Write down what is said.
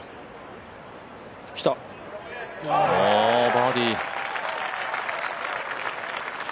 バーディー。